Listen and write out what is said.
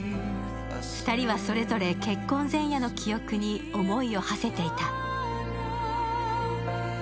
２人はそれぞれ結婚前夜の記憶に思いをはせていた。